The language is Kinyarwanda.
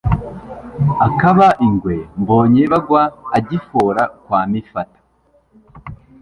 Akaba ingwe Mbonye bagwa agifora kwa Mifata